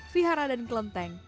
vihara dan kelenteng